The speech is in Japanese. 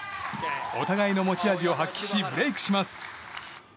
お互いの持ち味を発揮しブレークします。